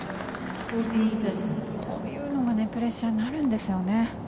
こういうのがプレッシャーになるんですよね。